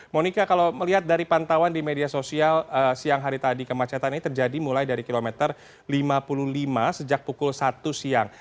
monika kalau melihat dari pantauan di media sosial siang hari tadi kemacetan ini terjadi mulai dari kilometer lima puluh lima sejak pukul satu siang